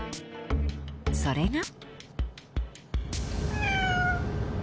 それが。